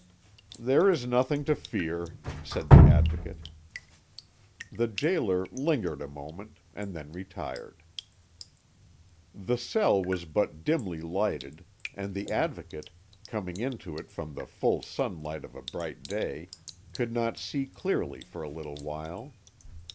"There is nothing to fear," said the Advocate. The gaoler lingered a moment, and then retired. The cell was but dimly lighted, and the Advocate, coming into it from the full sunlight of a bright day, could not see clearly for a little while.